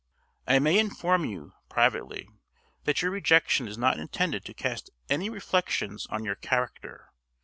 I may inform you, privately, that your rejection is not intended to cast any reflections on your character.